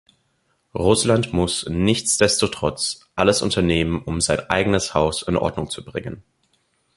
Russland muss nichtsdestotrotz alles unternehmen, um sein eigenes Haus in Ordnung zu bringen.